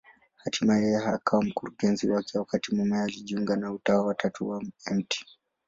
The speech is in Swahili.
Hatimaye yeye akawa mkurugenzi wake, wakati mumewe alijiunga na Utawa wa Tatu wa Mt.